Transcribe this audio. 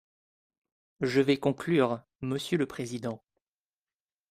Je vais conclure, monsieur le président.